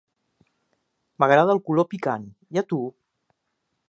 M'agrada el color picant, i a tu?